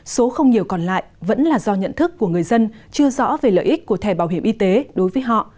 số không nhiều còn lại vẫn là do nhận thức của người dân chưa rõ về lợi ích của thẻ bảo hiểm y tế đối với họ